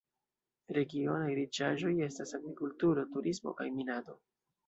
Regionaj riĉaĵoj estas agrikulturo, turismo kaj minado.